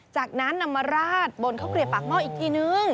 จากนั้นนำมาราดบนข้าวเกลียบปากหม้ออีกทีนึง